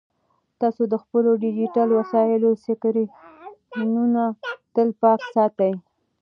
تاسو د خپلو ډیجیټل وسایلو سکرینونه تل پاک ساتئ.